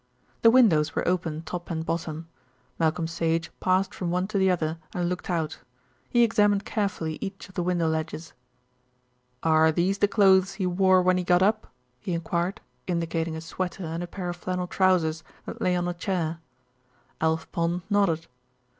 The windows were open top and bottom. Malcolm Sage passed from one to the other and looked out. He examined carefully each of the window ledges. "Are these the clothes he wore when he got up?" he enquired, indicating a sweater and a pair of flannel trousers that lay on a chair. Alf Pond nodded.